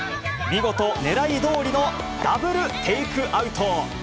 見事、狙いどおりのダブルテイクアウト。